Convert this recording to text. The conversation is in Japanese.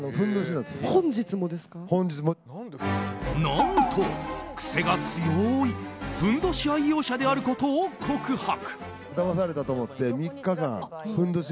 何と癖が強いふんどし愛用者であることを告白。